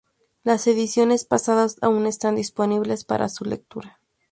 Las ediciones pasadas aún están disponibles para su lectura.